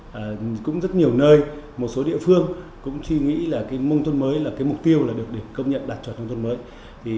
vậy cũng rất nhiều nơi một số địa phương cũng suy nghĩ mông thôn mới là mục tiêu được công nhận đạt chuẩn nông thôn mới